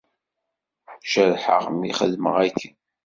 Jerḥeɣ mi xedmeɣ akken.